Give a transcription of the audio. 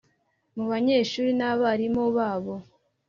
mu banyeshuri n’abarimu babo